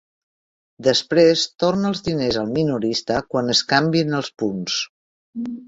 Després torna els diners al minorista quan es canvien els punts.